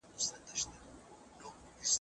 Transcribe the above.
بې احتیاطه اړیکه خطر زیاتوي.